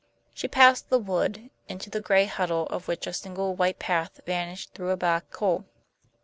She passed the wood, into the gray huddle of which a single white path vanished through a black hole.